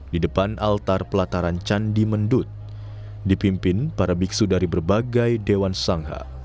di depan altar pelataran candi mendut dipimpin para biksu dari berbagai dewan shangha